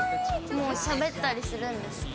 もうしゃべったりするんですか？